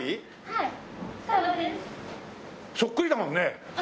そっくりだもんね。